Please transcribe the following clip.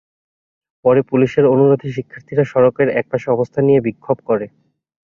পরে পুলিশের অনুরোধে শিক্ষার্থীরা সড়কের একপাশে অবস্থান নিয়ে বিক্ষোভ করে।